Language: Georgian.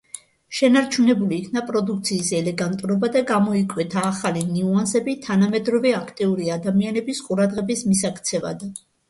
შენარჩუნებული იქნა პროდუქციის ელეგანტურობა და გამოიკვეთა ახალი ნიუანსები თანამედროვე, აქტიური ადამიანების ყურადღების მისაქცევად.